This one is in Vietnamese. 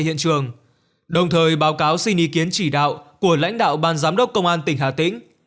hiện trường đồng thời báo cáo xin ý kiến chỉ đạo của lãnh đạo ban giám đốc công an tỉnh hà tĩnh